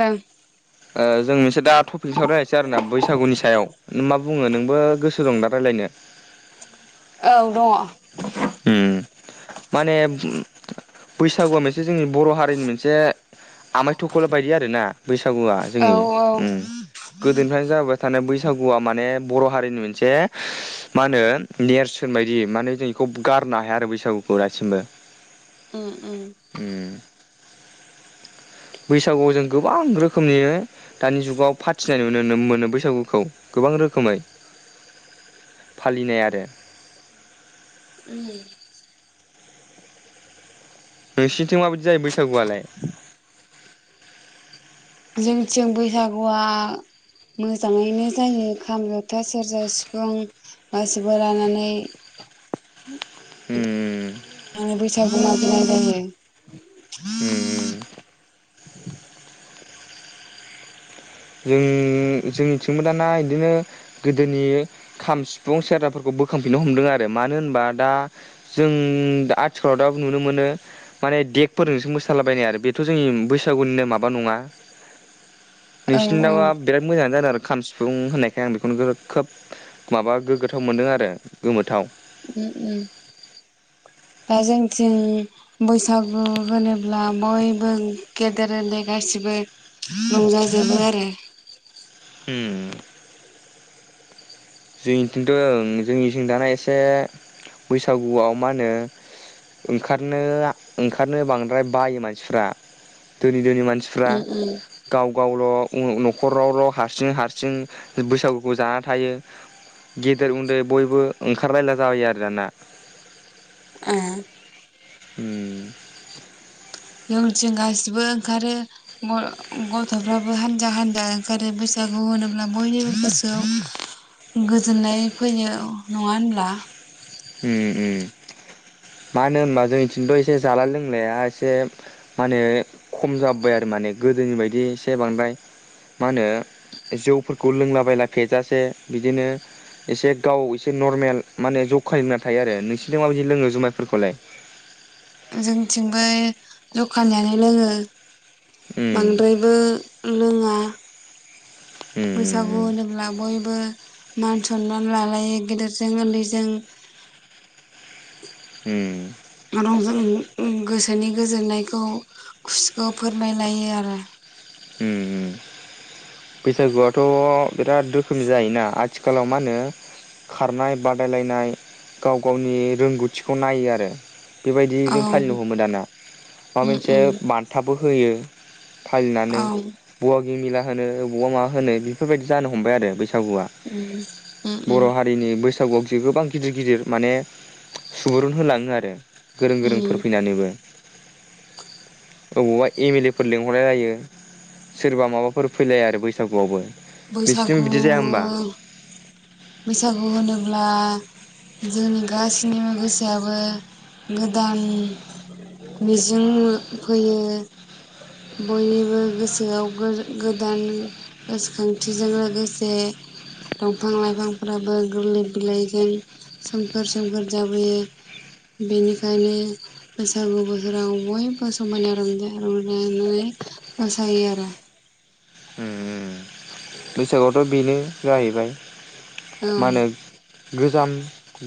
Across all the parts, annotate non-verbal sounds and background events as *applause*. दों औ ओ जों मोनसे दा टपिकनि साव रायायसै आरोना बैसागुनि सायाव नों मा बुङो नोंबो गोसो दं दा रायलायनो? ओं दङ'। उम। *inaudible* माने बैसागुआ मोनसे जोंनि बर' हारिनि मोनसे आमाय थखला बायदि आरो ना बैसागु आ औ जोंनि औ उम गोदोनिफायनो जाबोबाय थानाय बैसागु आ मान ने बर' हारिनि मोनसे मा होनो नेरसोन बायदि माने जों बेखौ गारनो हाया आरो बैसागुखौ दासिमबो। उम उम। उम बैसागुआव जों गोबां रोखोमनि दानि जुगाव फाथिनाय नु मोनो बैसागुखौ गोबां रोखोमै फालिनाय आरो। उम। नोंसिनिथिं माबायदि जायो बैसागुआलाय। जोंथिं बैसागुआ मोजाङैनो जायो खाम जथा सेरजा सिफुं गासिबो लानानै उम। बैसागु मागिनाय जायो। उम उम उम। जों जोंनिथिंबो दाना बिदिनो गोदोनि खाम सिफुं सेराफोरखौ बोखांफिननो हमदों आरो मानो होनबा दा जों आथिखालाव दा नुनो मोनो माने देगफोरजोंसो मोसालाबायनाय आरो बेथ' जोंनि बैसागुनिनो माबा नङा। औ नोंसिरनि उम दावा बिराद मोजाङानो जादों आरो। खाम सिफुं होननायखाय आं बेखौनो खोब माबा गोग्गोथाव मोनदों आरो गोमोथाव। उम उम दा जोंथिं बैसागु होनोब्ला बयबो गेदेर ओन्दे गासिबो रंजाजोबो आरो। उम। जोंनिथिनोथ' जोंनिथिं दानाया एसे बैसागुआव मा होनो ओंखारनो ओंखारनो बांद्राय बायो मानसिफ्रा दोनि दोनि मानसि फ्रा उम उम गाव गावल' न'खरावल' हारसिं हारसिं बैसागुखौ जाना थायो गेदेर उन्दै बयबो ओंखारलायला जाबायो आरो दाना। ओ उम। यों जोंगासिबो ओंखारो ग गथ'फ्राबो हान्जा हान्जा ओंखारो बिसागु होनोब्ला बयनिबो गोसोआव गोजोननाय फैनाय नङा होनब्ला। उम उम मानो होनबा जोंनिथिंथ' एसे जाला लोंलाया एसे मा होनो खम जाबबाय आरो माने गोदोनि बायदि एसे बांद्राय मा होनो जौफोरखौ लोंलाबायला फेजासे बिदिनो एसे गाव एसे नरमेल मानो जौख खवानो होनना थायो आरो नोंसिनथिं माबायदि लोङो जुमायफोरखौलाय। जोंथिंबो जौखानियानो लोङो। उम बांद्रायबो लोङा। उम बैसागु होनोब्ला बयबो। मान सनमान लालायो गिदिरजों उन्दैजों। उम। रंज उम गोसोनि गोजोननायखौ खुसिखौ फोरमायलायो आरो। उम उम बैसागुआथ' बिराद रोखोमनि जायोना आथिखालाव मा होनो खारनाय बादायलायनाय गाव गावनि रोंगौथिखौ नायो आरो। औ बिबायदिजों फालिनो हमो दाना माबा उम मोनसे उम बान्थाबो होयो। फालिनानै औ। गिमेला होनो वबबा मा होनो बेफोरबायदि जानो हमबाय आरो बैस सागुआ उम उम उम बर' हारिनि बैस सागुआव जो गोबां गिदिर गिदिर माने। सुबुरुन होलाङो आरो गोरों उम गोरोंफोर फैनानैबो अबावबा एम एल ए फोर लें हलायहयो। सोरबा माबाफोर फैलाया आरो बैसागुआवबो। नोंसिनिथिं बैसागु बिदि जाया बैसागु होनोब्ला। जोंनि गासैनिबो गोसोआाबो गोदान मिजिं फैयो। बयनिबो गोसोआव गोज गोदान गोसोखांथिजों लोगोसे दंफां लाइफांफ्राबो गोरलै बिलाइजों सोमखोर सोमखोर जाबोयो बेनिखायनो बैसागु बोथोराव बयबो समायना रंजा रंजा नानै मोसायो आरो। होमबा? बैसागुआवथ' बेनो जाहैबाय। औ। मा होनो गोजाम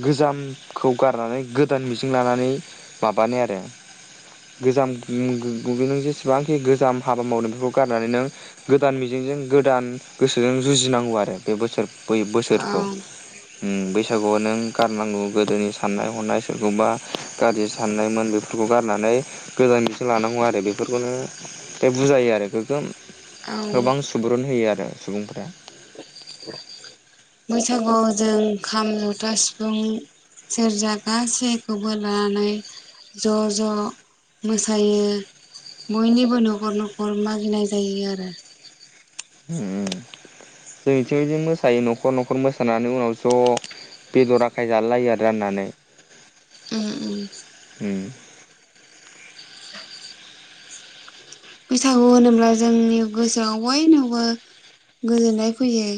गोजामखौ गारनानै गोदान मिजिं लानानै माबानाय आरो गोजाम नों जेसेबांखि गोजाम हाबा मावदों बेफोरखौ गारनानै नों गोदान मिजिंजों गोदान गोसोजों जुजिनांगौ आरो बे बोसोर बै औ बोसोरखौ। उम बैसागुआव नों गारनांगौ गोदोनि साननाय हनाय सोरखौबा गाज्रि साननायमोन बेफोरखौ गारनानै गोदान मिजिं लानांगौ आरो बेफोर खौनो बे बुजायो आरो गोगोम औ गोबां सुबुरुन होयो आ सुबुंफोरा। बैसागुआव जों खाम जथा सिफुं सेरजा गासैखौबो लानानै ज' ज' मोसायो बयनिबो न'खर न'खर मागिनाय जायो आरो। उम उम जोंनिथिंबो बिदिनो मोसायो न'खर न'खर मोसानानै उनाव ज' बेदर आखाय जालायलायो आरो राननानै उम उम। उम। बैसागु होनोब्ला जोंनि गोसोआव बयनावबो गोजोननाय फैयो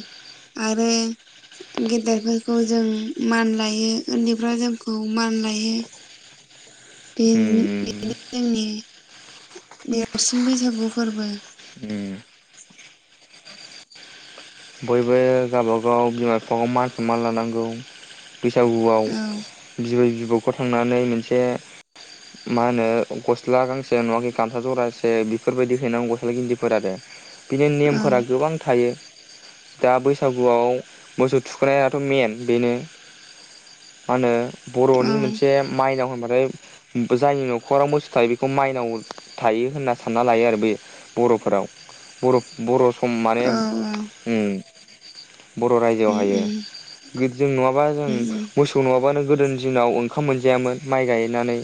आरो गेदेरफोरखौ जों मान लायो उन्दैफ्रा जोंखौ मान लायो। उम बे-बेनो उम जोंनि देरसिन बैसागु फोरबो। उम बयबो गावबागाव बिमा बिफाखौ मान सनमान लानांगौ। बैसागुआव औ बिबाय बि *unintelligible* थांनानै मोनसे मा होनो गस्ला गांसे नङाखि गामसा जरासे बेफोरबायदि हैनांगौ गस्ला गिन्दिफोर आरो बिनि औ नेमफोरा गोबां थायो। दा बैसागुआव मोसौ थुखनायाथ' मेन बेनो मा होनो औ बर'नि मोनसे माइनाव होनबाथाय बो जायनि न'खराव मोसौ थायो बेखौ माइनाव थायो होनना सानना लायो आरो बे बर'फोराव बर' बर' ओम माने औ औ उम *unintelligible* बर' रायजोआव उम हायो उम गोद जों नङाबा जों उम उम मोसौ नङाबानो गोदोनि दिनाव ओंखाम मोनजायामोन माइ गायनानै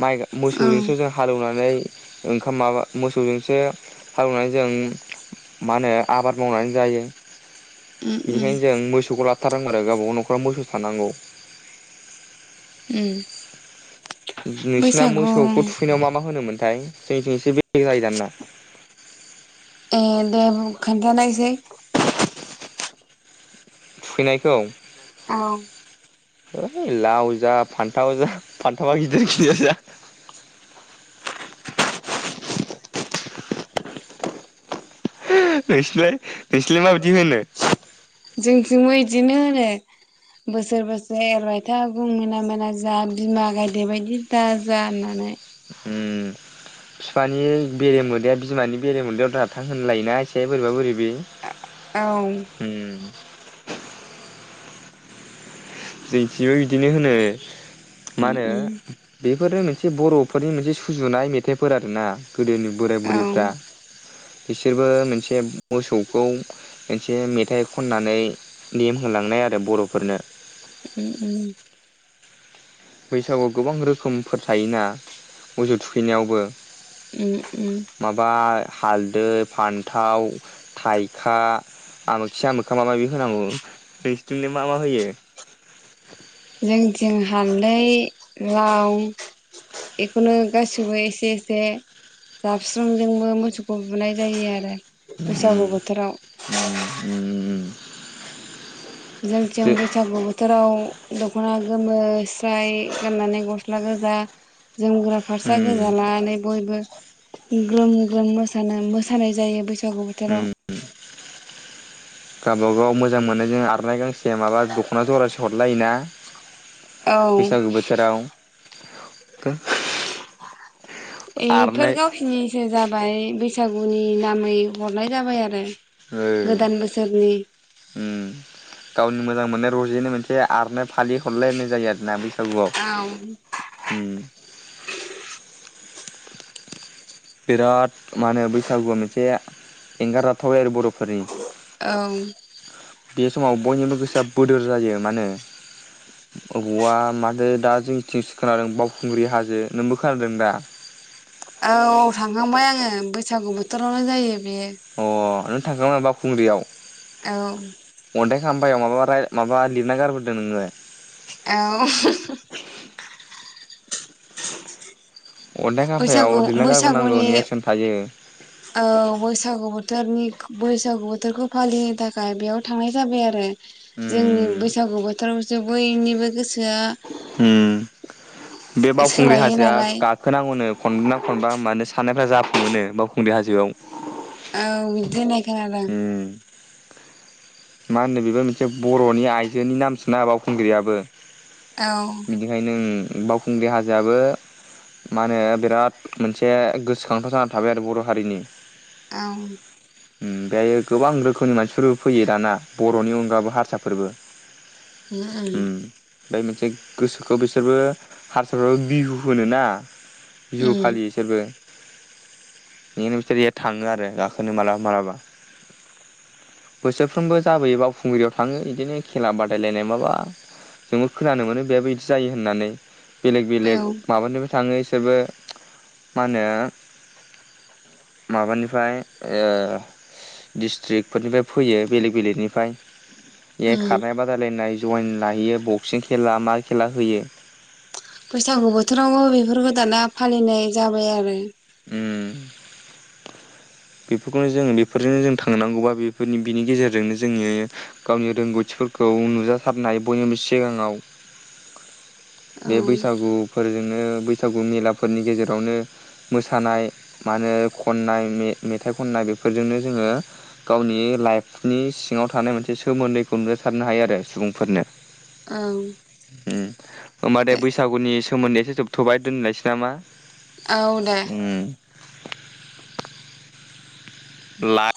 माइ औ मोसौजोंसो जों हालेवनानै ओंखाम माबा मोसौजोंसो हालौवनानै जों मा होनो आबाद मावनानै जायो। उम उम बेनिखायनो जों मोसौखौ ला थारों आरो गावबागाव न'खराव मोसौ थानांगौ उम नोंसिना बैसागु मोसौखौ थुखैनायाव मा मा होनोमोनथाय *unintelligible* ए दे बुं खोनथानायस थुखैनायखौ औ है लाव जा फान्थाव जा फान्थावा गिदिर गिदिर जा नोंसोरलाय नोंसोरलाय माबायदि होनो? जोंथिंबो इदिनो होनो बोसोर बोसोर एरबाय था बुं मोना मोना जा बिमा गायदे बायदि दा जा होननानै। ओम फिफानि बेरे मोदैया बिमानि बेरे मोदैयाव दाथां होनलायोना एसे बोरैबा बोरैबि उम जोंथिबो बिदिनो होनो मा होनो उम बे बेफोरो मोनसे बर'फोरनि मोनसे सुजुनाय मेथाइफोर आरो ना गोदोनि बोराय औ बुरैफ्रा उम बिसोरबो मोनसे मोसौखौ मोनसे मेथाइ खननानै नेम होलांनाय आरो बर'फोरनो उम उम बैसागुआव गोबां रोखोमफोर थायोना मोसौ थुखैनायावबो उम उम माबा हालदै फान्थाव थाइखा आमोखि आमोखा माबा माबि होनांगौ नोंसोरथिंजाय मा मा होयो? जोंथिं हालदै लाव बेखौनो गासिबो एसे एसे जाबस्रोमजोंबो मोसौखौ बुनाय जायो आरो उम बैसागु बोथोराव। उम उम जों थिं जो बैसागु बोथोराव दख'ना गोमो स्राय गाननानै गस्ला गोजा जोमग्रा फास्रा उम गोजा लानानै बयबो। ग्रोम ग्रोम मोसानो मोसानाय जायो बै सागु बोथोराव। गावबा गाव मोजां मोननायजों आरनाय गांसे माबा दख'ना जरासे हरलायोना औ बैसागु बोथोराव *unintelligible* इफोर आरनाइ गावसनिसो जाबाय बै सागुनि नामै हरनाय जाबाय आरो। ओ गोदान बोसोरनि उम गावनि मोजां मोननाय रजेनो मोनसे आरनाय फालि हरलायलायनाय जायो आरोना बैसा गुवाव औ ओम बिराद मा होनो बैसागुआ मोनसे एंगारजाथावै आरो बर'फोरनि औ बे समाव बयनिबो गोसोआ बोदोर जायो मानो बबावबा मादो दा जोंनिथिंसो खोनादों बावखुंग्रि हाजो नोंबो खोनादों दा? औ थांखांबाय आङो बैसागु बोथोरावनो जायो। बेयो अ आरो। थांखांबाय बाउखुंग्रियाव। औ। खामबायाव माबा माबा लिरना गारबोदों नोङो। औ। अन्थाइ *inaudible* बैसागु खाम्फायाव लिरना गारबोनांगौ बैसागुनि नेरसोन थायो औ बैसागु बोथोर बोनि बैसागु बोथोरखौ फालिनो थाखाय बेयाव थांनाय जाबाय आरो। जोंनि उम बैसागु बोथोर *inaudible* बैनिबो गोसो उम। बे बावखुंग्रि सोलायो हाजोआ नालाय गाखोनांगौनो खनब्रै ना खनबा मानो। साननायफ्रा जाफुं मोनो बावखुंग्रि हाजोआव औ बिदि होनाय खोनादों उम मा होनो बेबो मोनसे बर'नि आइजोनि नाम सोना बावखुंग्रियाबो औ बिनिखायनो उम। बावखुंग्रि हाजोआबो मा होनो बिराद मोनसे गोसोखांथाव जानानै थाबाय आरो बर' हारिनि औ। उम बेहायो गोबां रोखोमनि मानसिफोरबो फैयो दाना बर'नि अनगाबो हारसा फोरबो *inaudible* बे मोनसे गोसोखौ बिसोरबो हारसा'फ्राबो बिहु होनोना। बिहु उम फालियो बिसोरबो बिसोर थाङो आरो गाखोनो मालाबा मालाबा बोसोर सानफ्रोमबो जाबोयो बावखुंग्रियाव थाङो बिदिनो खेला बादायलायनाय माबा जोंबो खोनानो मोनो बेहायबो बिदि जायो होननानै बेलेग औ बेलेग माबानिबो थाङो इसोरबो मा होनो माबानिफ्राय डिस्ट्रिक फोरनिफ्राय फैयो बेलेग बेलेगनिफ्राय ए उम खारनाय बादायलायनाय जइन लाहैयो बक्सिं खेला मा खेला होयो बैसागु बोथोरावबो बेफोर दाना फालिनाय जाबाय आरो। उम। बेफोरखौनो जोङो बेफोरजोंनो जों थांनांगौ बा बेफोरनि बिनि गेजेरजोंनो जोङो गावनि रोंगौथिफोरखौ नुजाथारनाय बयनिबो सिगाङाव औ बे बैसागुफोरजोंनो बैसागु मेलाफोरनि गेजेरावनो मोसानाय मा होनो खननाय मेथाइ खननाय बेफोरजोंनो जोङो गावनि लाइफनि सिङाव थानाय मोनसे सोमोन्दैखौ नुजासारनो हायो आरो सुबुंफोरनो औ। उम। होनोमबाे दे बैसागुनि सोमोन्दैया ऐसे जोबथ'बाय दोननायायसै नामा? औ दे उम लाख